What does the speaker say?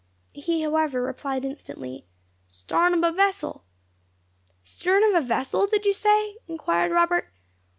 He, however, replied instantly, "Starn ob a vessel!" "Stern of a vessel, did you say?" inquired Robert.